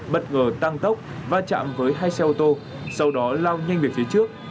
bất ngờ tăng tốc va chạm với hai xe ô tô sau đó lao nhanh về phía trước